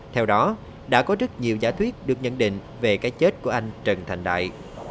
theo đó đã có rất nhiều giả thuyết được nhận định về cái chết của anh trần thành đại